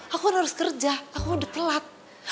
aku harus kerja aku udah telat